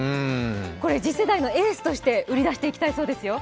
これ次世代のエースとして売り出していきたいそうですよ。